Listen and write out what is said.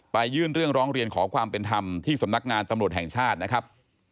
ยื่นเรื่องร้องเรียนขอความเป็นธรรมที่สำนักงานตำรวจแห่งชาตินะครับ